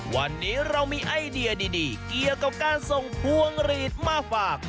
วันนี้เรามีไอเดียดีเกี่ยวกับการส่งพวงหลีดมาฝาก